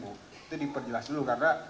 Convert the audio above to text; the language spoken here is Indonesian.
itu diperjelas dulu karena